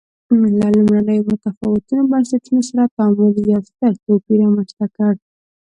له لومړنیو متفاوتو بنسټونو سره تعامل یو ستر توپیر رامنځته کړ.